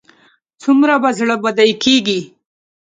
څومره به زړه بدی کېږي.